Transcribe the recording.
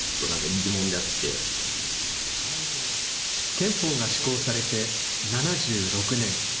憲法が施行されて７６年。